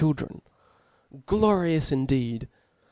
children (*). Glorious indeed